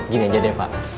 gini aja deh pak